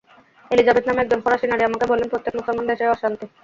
Elizabeth নামে একজন ফরাসি নারী আমাকে বললেন, প্রত্যেক মুসলমান দেশেই অশান্তি।